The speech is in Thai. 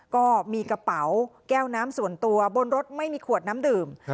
ก็มีกระเป๋าแก้วน้ำส่วนตัวบนรถไม่มีขวดน้ำดื่ม